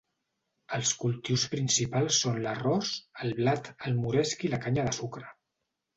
Els cultius principals són l'arròs, el blat, el moresc i la canya de sucre.